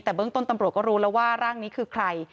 แต่เบื้องต้นตำรวจก็รู้แล้วว่าร่างนี้คือใคร